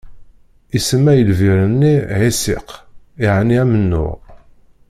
Isemma i lbir-nni: Ɛisiq, yƐni amennuɣ.